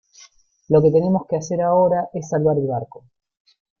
lo que tenemos que hacer ahora es salvar el barco.